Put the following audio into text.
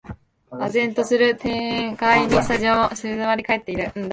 唖然とする展開にスタジオも静まりかえってる